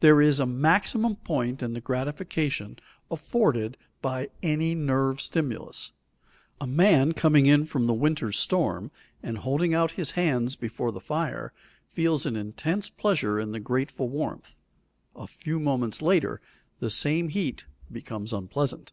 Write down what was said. There is a maximum point in the gratification afforded by any nerve stimulus. A man coming in from the winter's storm and holding out his hands before the fire, feels an intense pleasure in the grateful warmth; a few moments later, the same heat becomes unpleasant.